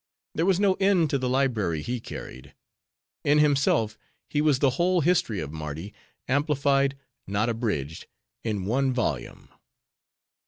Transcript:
There was no end to the library he carried. In himself, he was the whole history of Mardi, amplified, not abridged, in one volume.